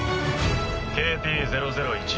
ＫＰ００１